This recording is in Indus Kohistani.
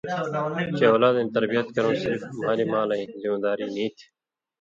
چے اؤلادَیں تربیت کرؤں صرف مھالیۡ مھالَیں ذمواری نی تھی